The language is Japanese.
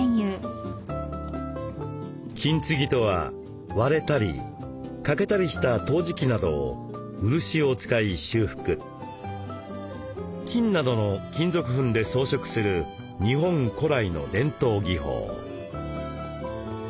金継ぎとは割れたり欠けたりした陶磁器などを漆を使い修復金などの金属粉で装飾する日本古来の伝統技法。